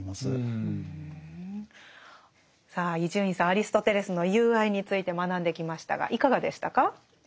アリストテレスの「友愛」について学んできましたがいかがでしたか？